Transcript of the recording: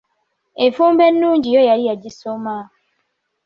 Enfumba ennungi yo yali yagisoma.